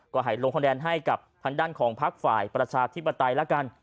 ก็ให้ลงคะแนนให้กับทางด้านของพักฝ่ายประชาธิปไตยแล้วกัน